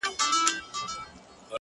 • یو سړی په دې یخنۍ کي مسافر سو ,